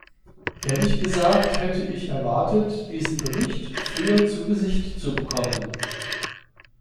Ehrlich gesagt hätte ich erwartet, diesen Bericht früher zu Gesicht zu bekommen.